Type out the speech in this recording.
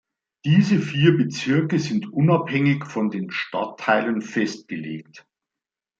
Diese vier Bezirke sind unabhängig von den Stadtteilen festgelegt.